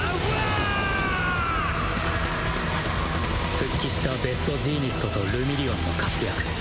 復帰したベストジーニストとルミリオンの活躍